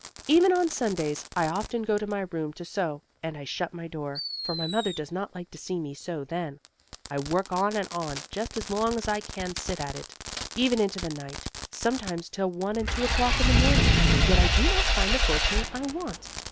Even on Sundays I often go to my room to sew, and I shut my door, for my mother does not like to see me sew then. I work on and on, just as long as I can sit at it, even into the night; sometimes till one and two o'clock in the morning; yet I do not find the fortune I want.